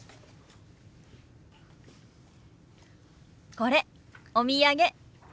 これお土産。